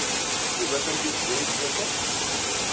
Yuba atan deg Bgayet yakan?